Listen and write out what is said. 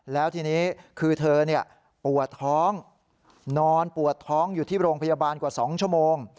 แล้วทีนี้คือเธอปวดท้องนอนปวดท้องอยู่ที่โรงพยาบาลกว่า๒ชั่วโมง